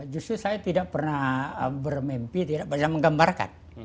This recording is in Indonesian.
justru saya tidak pernah bermimpi tidak pernah menggambarkan